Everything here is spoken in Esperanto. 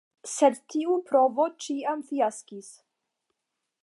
Sed tiu provo ĉiam fiaskis.